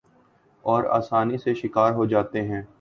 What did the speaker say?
اور آسانی سے شکار ہو جاتے ہیں ۔